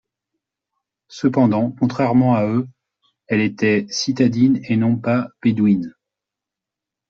Cependant, contrairement à eux, elle était citadine et non pas bédouine.